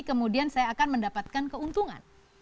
kemudian saya akan mendapatkan keuntungan